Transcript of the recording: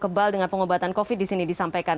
kebal dengan pengobatan covid disini disampaikan